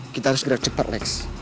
kita harus gerak cepat lex